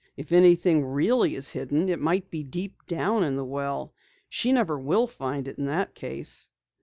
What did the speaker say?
"If anything really is hidden it might be deep down in the well. She never will find it in that case."